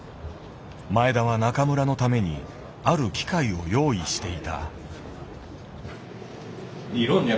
前田は中村のためにある機会を用意していた。